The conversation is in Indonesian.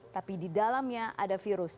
tapi di dalamnya ada virus